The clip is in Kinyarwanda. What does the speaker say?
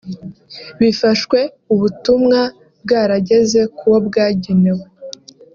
bifashwe ubutumwa bwarageze kuwo bwagenewe